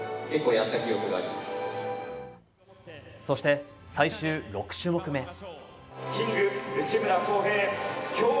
そして、最終６種目め。